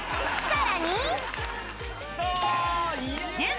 さらに